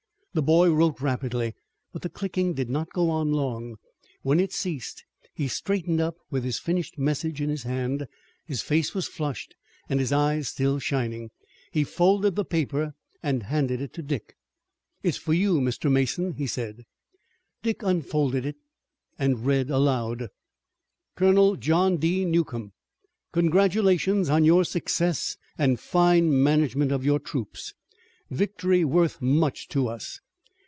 The boy wrote rapidly, but the clicking did not go on long. When it ceased he straightened up with his finished message in his hand. His face was flushed and his eyes still shining. He folded the paper and handed it to Dick. "It's for you, Mr. Mason," he said. Dick unfolded it and read aloud: "Colonel John D. Newcomb: "Congratulations on your success and fine management of your troops. Victory worth much to us.